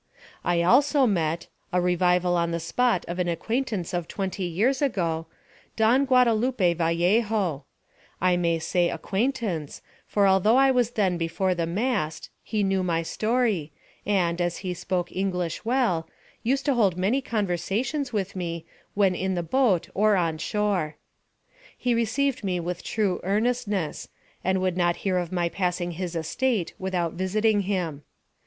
I also met a revival on the spot of an acquaintance of twenty years ago Don Guadalupe Vallejo; I may say acquaintance, for although I was then before the mast, he knew my story, and, as he spoke English well, used to hold many conversations with me, when in the boat or on shore. He received me with true earnestness, and would not hear of my passing his estate without visiting him.